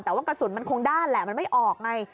แต่ว่ากระสุนมันคงด้านแหละมันไม่ออกไง